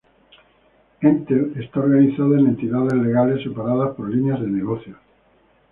Entel está organizada en entidades legales separadas por líneas de negocios.